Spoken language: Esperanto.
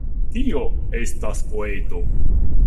Kio estas poeto?